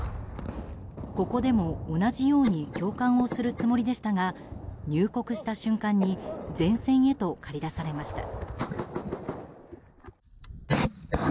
ここでも同じように教官をするつもりでしたが入国した瞬間に前線へと駆り出されました。